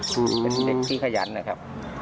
เป็นเด็กที่ขยันครับ